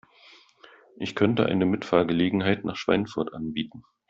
Ich könnte eine Mitfahrgelegenheit nach Schweinfurt anbieten